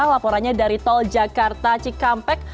laporannya dari tol jakarta cikampek